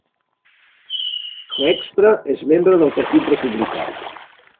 Hoekstra és membre del partit republicà.